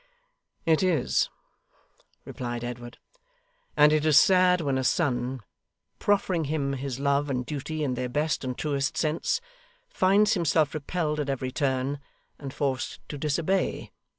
'It is,' replied Edward, 'and it is sad when a son, proffering him his love and duty in their best and truest sense, finds himself repelled at every turn, and forced to disobey.